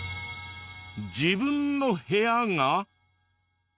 自分の部屋が。